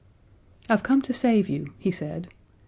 "I've come to save you," he said.